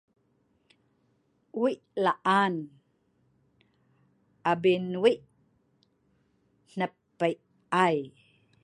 Weik laan abin weik hnep peik ai